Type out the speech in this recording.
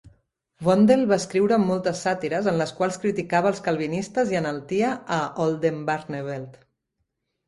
Vondel va escriure moltes sàtires en les quals criticava als Calvinistes i enaltia a Oldenbarnevelt.